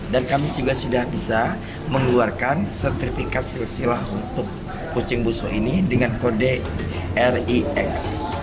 dan kami juga sudah bisa mengeluarkan sertifikat silsilah untuk kucing busok ini dengan kode r i x